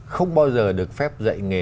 không bao giờ được phép dạy nghề